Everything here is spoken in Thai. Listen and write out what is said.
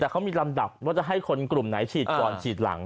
แต่เขามีลำดับว่าจะให้คนกลุ่มไหนฉีดก่อนฉีดหลัง